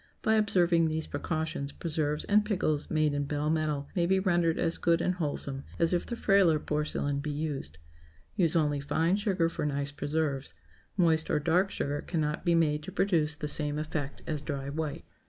By observing these precautions, preserves and pickles made in bell metal may be rendered as good and wholesome as if the frailer porcelain be used. Use only fine sugar for nice preserves. Moist or dark sugar cannot be made to produce the same effect as dry white.